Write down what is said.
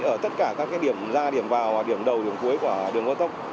ở tất cả các điểm ra điểm vào điểm đầu điểm cuối của đường cao tốc